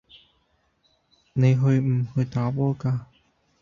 你去唔去打波㗎